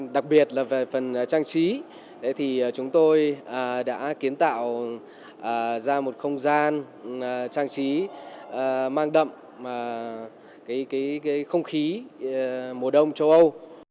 đặc biệt là về phần trang trí thì chúng tôi đã kiến tạo ra một không gian trang trí mang đậm không khí mùa đông châu âu